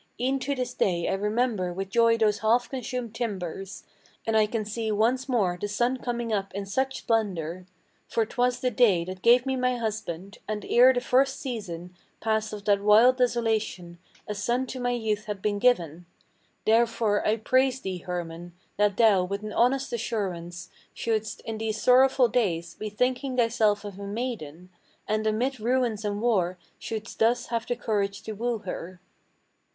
E'en to this day I remember with joy those half consumed timbers, And I can see once more the sun coming up in such splendor; For 'twas the day that gave me my husband; and, ere the first season Passed of that wild desolation, a son to my youth had been given. Therefore I praise thee, Hermann, that thou, with an honest assurance, Shouldst, in these sorrowful days, be thinking thyself of a maiden, And amid ruins and war shouldst thus have the courage to woo her."